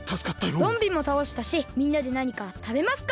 ゾンビもたおしたしみんなでなにかたべますか！